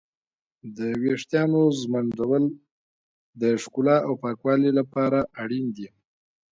د ويښتانو ږمنځول د ښکلا او پاکوالي لپاره اړين دي.